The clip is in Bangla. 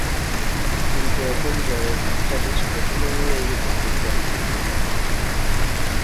কিন্তু এখন জয়ের কাজটা বেশ কঠিনই হয়ে গেছে কুক বাহিনীর জন্য।